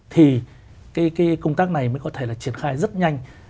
thì cái công tác này mới có thể là triển khai rất nhanh